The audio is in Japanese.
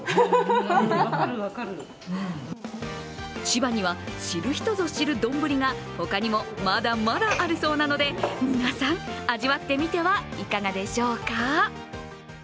千葉には知る人ぞ知る丼が他にもまだまだあるそうなので皆さん味わってみてはいかがでしょうか。